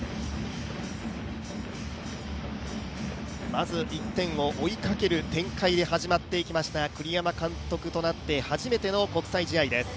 まず１点を追いかける展開で始まっていきましたが栗山監督となって初めての国際試合です。